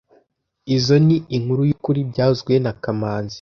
Izoi ni inkuru yukuri byavuzwe na kamanzi